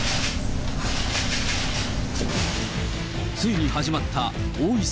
ついに始まった王位戦